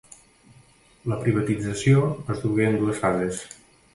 La privatització es dugué en dues fases.